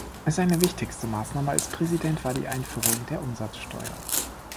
Seine wichtigste Maßnahme als Präsident war die Einführung der Umsatzsteuer.